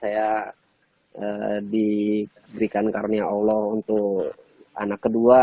saya diberikan karnia allah untuk anak kedua